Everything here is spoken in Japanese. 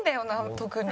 特に。